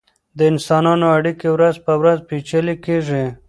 د انسانانو اړیکې ورځ په ورځ پیچلې کیږي.